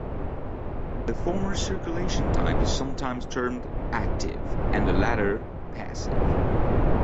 The former circulation type is sometimes termed "active", and the latter "passive".